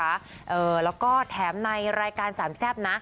แล้วก็แถมในรายการสามแซ่บนะ